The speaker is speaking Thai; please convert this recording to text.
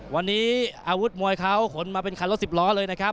วันนี้อาวุธมวยเขาขนมาเป็นคันรถสิบล้อเลยนะครับ